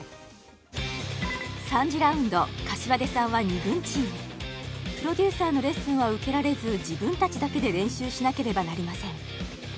３次ラウンド膳さんは２軍チームプロデューサーのレッスンは受けられず自分達だけで練習しなければなりません